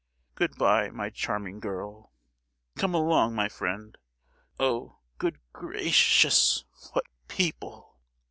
Good bye, my charming girl! Come along, my friend;—oh, good gra—cious, what people!"